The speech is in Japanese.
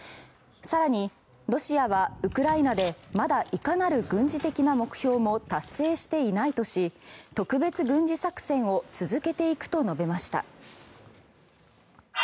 更に、ロシアはウクライナでまだいかなる軍事的な目標も達成していないとし特別軍事作戦を続けていくと述べました。